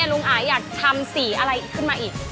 ลุงอายอยากทำสีอะไรขึ้นมาอีก